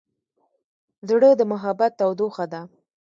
زړه د محبت تودوخه ده.